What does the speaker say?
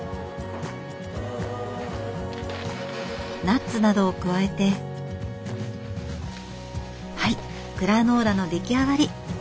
ナッツなどを加えてはいグラノーラの出来上がり。